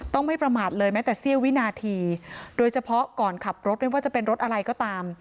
ไม่ประมาทเลยแม้แต่เสี้ยววินาทีโดยเฉพาะก่อนขับรถไม่ว่าจะเป็นรถอะไรก็ตาม